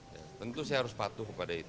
ya tentu saya harus patuh kepada itu